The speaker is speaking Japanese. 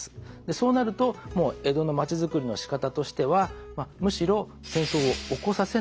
そうなるともう江戸のまちづくりのしかたとしてはむしろ戦争を起こさせない。